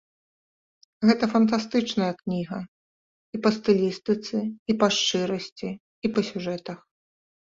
Гэта фантастычная кніга і па стылістыцы, і па шчырасці, і па сюжэтах.